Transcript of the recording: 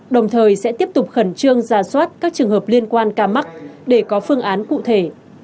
đồng thời sẽ tiếp tục khẩn trương ra soát các trường hợp liên quan ca mắc để có phương án cụ thể